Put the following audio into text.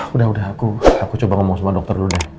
udah udah aku aku coba ngomong sama dokter dulu deh